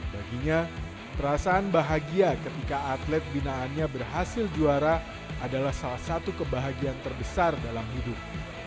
baginya perasaan bahagia ketika atlet binaannya berhasil juara adalah salah satu kebahagiaan terbesar dalam hidup